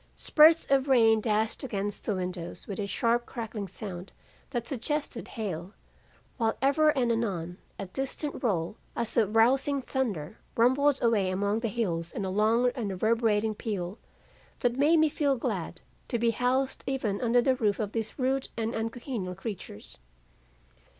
Spurts of rain dashed against the windows with a sharp crackling sound that suggested hail, while ever and anon a distant roll as of rousing thunder, rumbled away among the hills in a long and reverberating peal, that made me feel glad to be housed even under the roof of these rude and uncongenial creatures.